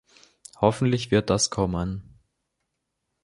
Hoffentlich wird das kommen.